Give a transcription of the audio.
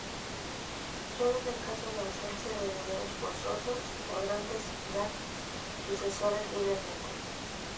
Solo en el caso de ausencia de herederos forzosos, podrá designar sucesores libremente.